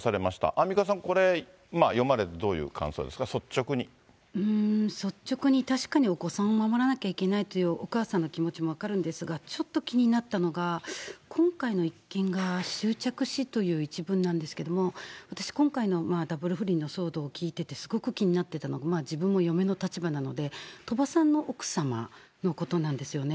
アンミカさん、これ、読まれてどういう感想ですか、うーん、率直に確かに、お子さんを守らなきゃいけないというお母さんの気持ちも分かるんですが、ちょっと気になったのが、今回の一件が終着しという一文なんですけど、私、今回のダブル不倫の騒動を聞いててすごく気になってたのが、自分も嫁の立場なので、鳥羽さんの奥様のことなんですよね。